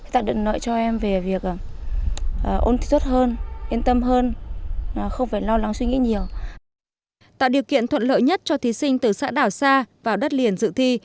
tạo điều kiện thuận lợi nhất cho thí sinh từ xã đảo xa vào đất liền dự thi